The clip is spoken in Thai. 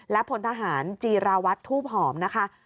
และพลทหารจีราวัตรทูบหอมนะคะ